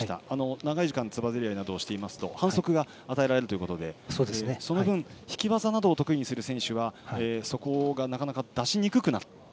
長い時間つばぜり合いをすると反則が与えられるということでその分引き技などを得意とする選手はそこがなかなか出しにくくなった。